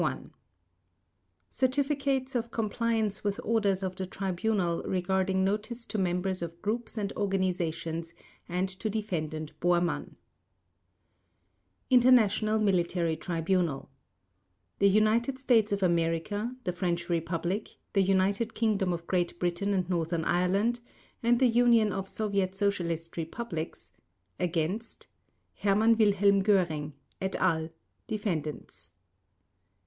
WILLEY General Secretary CERTIFICATES OF COMPLIANCE WITH ORDERS OF THE TRIBUNAL REGARDING NOTICE TO MEMBERS OF GROUPS AND ORGANIZATIONS AND TO DEFENDANT BORMANN INTERNATIONAL MILITARY TRIBUNAL THE UNITED STATES OF AMERICA, THE FRENCH REPUBLIC, THE UNITED KINGDOM OF GREAT BRITAIN AND NORTHERN IRELAND, and THE UNION OF SOVIET SOCIALIST REPUBLICS — against — HERMANN WILHELM GÖRING, et al., Defendants.